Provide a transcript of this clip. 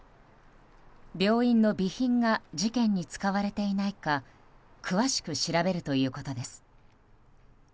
病院の備品が事件に使われていないか詳しく調べるということです。